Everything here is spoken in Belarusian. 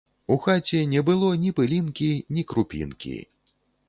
У хаце не было нi пылiнкi, нi крупiнкi.